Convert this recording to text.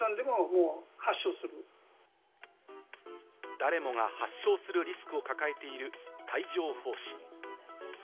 誰もが発症するリスクを抱えている帯状疱疹。